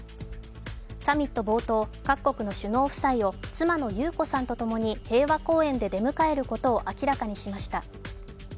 サミット冒頭、各国の首脳夫妻を妻の裕子さんとともに平和公園で出迎えることを明らかにしました。